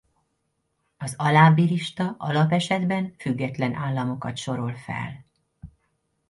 Az alábbi lista alapesetben független államokat sorol fel.